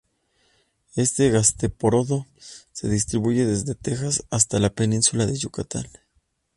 Este gasterópodo se distribuye desde Texas hasta la península de Yucatán.